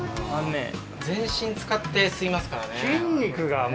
全身使って進みますからね。